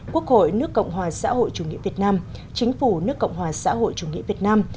quốc hội nước cộng hòa xã hội chủ nghĩa việt nam chính phủ nước cộng hòa xã hội chủ nghĩa việt nam